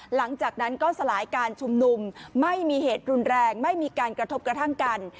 หลังจากนั้นก็สลายการชุมนุมไม่มีเหตุรุนแรงไม่มีการกระทบกระทั่งกัน